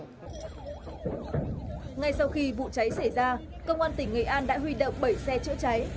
ngay sau khi vụ cháy xảy ra công an tỉnh nghệ an đã huy động bảy xe chữa cháy